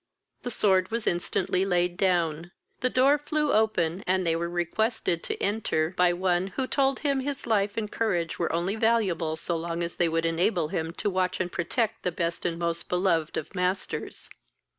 The sword was instantly laid down, the door flew open, and they were requested to enter by one, who told them his life and courage were only valuable so long as they would enable him to watch and protect the best and most beloved of masters.